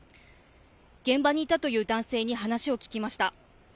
現場にいたという男性に話を聞きました。